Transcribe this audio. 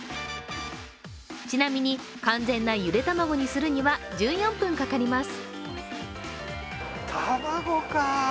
ちなみに完全なゆで卵にするには１４分かかります。